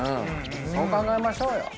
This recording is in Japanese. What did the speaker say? そう考えましょうよ。